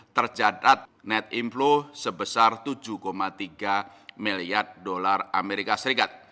terjadat net inflow sebesar usd tujuh tiga miliar